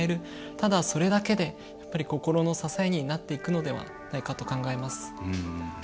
ただそれだけで心の支えになっていくのではないかと考えます。